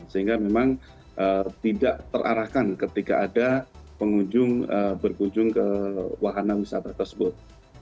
sehingga memang tidak terarahkan ketika ada pengunjung berkunjung ke wahana wisata tersebut